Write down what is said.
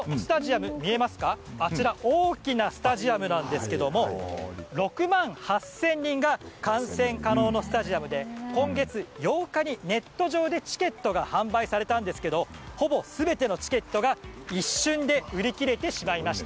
大きなスタジアムなんですが６万８０００人が観戦可能のスタジアムで今月８日にネット上でチケットが販売されたんですがほぼ全てのチケットが一瞬で売り切れてしまいました。